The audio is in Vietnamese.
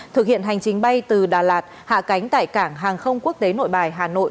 thực hiện hành trình bay từ đà lạt hạ cánh tại cảng hàng không quốc tế nội bài hà nội